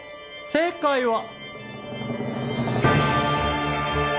正解は。